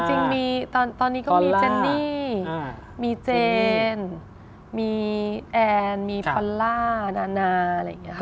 จริงมีตอนนี้ก็มีเจนนี่มีเจนมีแอนมีฟอลล่านานาอะไรอย่างนี้ค่ะ